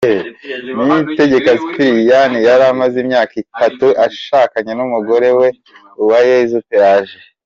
Niyitegeka Sipiriyani yari amaze imyaka itatu ashakanye n’umugore we, Uwayezu Pelagie.